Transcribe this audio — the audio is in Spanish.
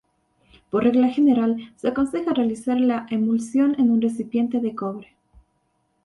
Por regla general se aconseja realizar la emulsión en un recipiente de cobre.